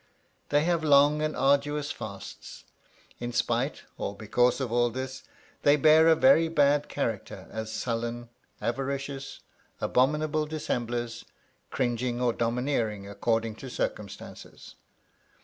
They have long and arduous fasts. In spite or because of all this, they bear a very bad character as sullen, avaricious, abominable dissemblers, cringing or domineering according to circumstances.